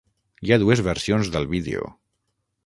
Hi ha dues versions del vídeo.